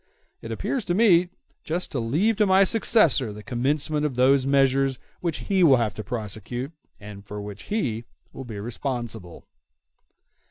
It appears to me just to leave to my successor the commencement of those measures which he will have to prosecute, and for which he will be responsible."